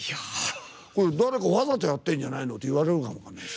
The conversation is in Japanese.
誰かわざとやってるんじゃないのって言われるかも分かんないです。